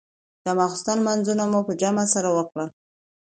د ماخستن لمونځونه مو په جمع سره وکړل.